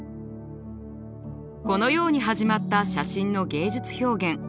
このように始まった写真の芸術表現。